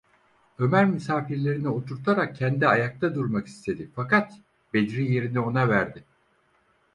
Ömer misafirlerini oturtarak kendi ayakta durmak istedi, fakat Bedri yerini ona verdi.